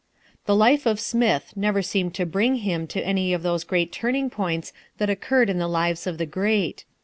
The life of Smith never seemed to bring him to any of those great turning points that occurred in the lives of the great.